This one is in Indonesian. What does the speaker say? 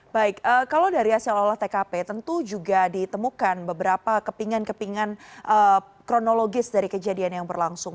baik kalau dari hasil olah tkp tentu juga ditemukan beberapa kepingan kepingan kronologis dari kejadian yang berlangsung